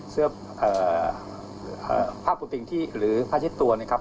เสื้อผ้าปูติงที่หรือผ้าเช็ดตัวนะครับ